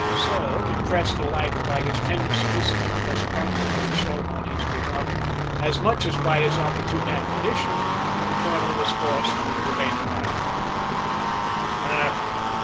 So, impressed alike by his tender solicitude thus practically shown on his behalf as much as by his opportune admonition, the colonel was forced to remain quiet.